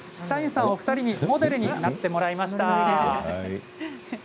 社員の方お二人にモデルになっていただきました。